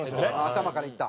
頭からいった。